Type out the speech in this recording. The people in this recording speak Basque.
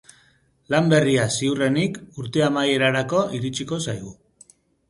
Lan berria, ziurrenik, urte amaierarako iritsiko zaigu.